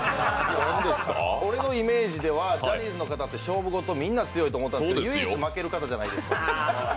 俺のイメージではジャニーズの方って勝負事、みんな強いと思ってたんですけど、唯一負ける方じゃないですか。